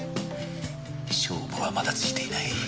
勝負はまだついていない。